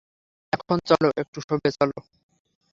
এখন চলো, একটু শোবে চলো।